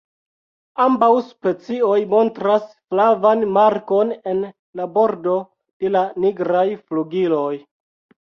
Ambaŭ specioj montras flavan markon en la bordo de la nigraj flugiloj.